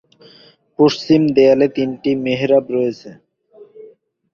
পশ্চিম দেয়ালে তিনটি মেহরাব রয়েছে।